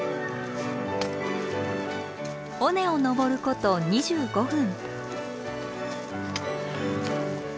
尾根を登ること２５分。